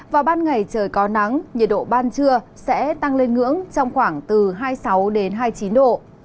vào ban ngày trời có nắng nhiệt độ ban trưa sẽ tăng lên ngưỡng trong khoảng từ hai mươi sáu đến hai mươi chín độ